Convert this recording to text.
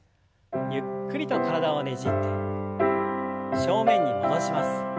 ゆっくりと体をねじって正面に戻します。